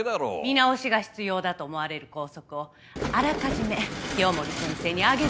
見直しが必要だと思われる校則をあらかじめ清守先生に挙げて頂きました。